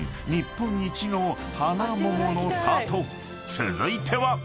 ［続いては］